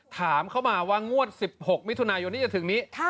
ถามเขามาว่างวัด๑๖มิถุนายนที่จะถึงนี้เลขอะไรดี